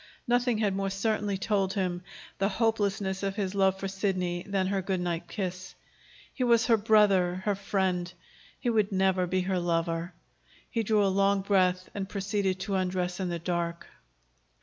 Nothing had more certainly told him the hopelessness of his love for Sidney than her good night kiss. He was her brother, her friend. He would never be her lover. He drew a long breath and proceeded to undress in the dark.